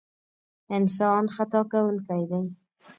انسان خطا کوونکی دی.